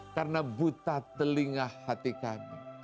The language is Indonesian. karena buta telinga hati kami